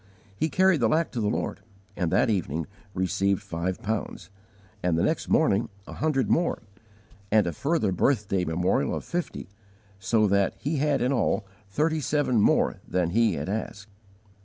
He carried the lack to the Lord, and that evening received five pounds, and the next morning a hundred more, and a further "birthday memorial" of fifty, so that he had in all thirty seven more than he had asked.